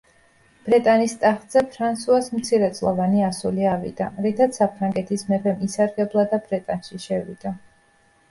ბრეტანის ტახტზე ფრანსუას მცირეწლოვანი ასული ავიდა, რითაც საფრანგეთის მეფემ ისარგებლა და ბრეტანში შევიდა.